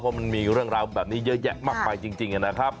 เพราะมันมีเรื่องราวแบบนี้เยอะแยะมากมายจริงนะครับ